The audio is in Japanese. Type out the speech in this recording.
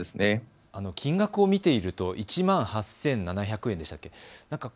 金額を見ていると１万８７００円でしたっけ？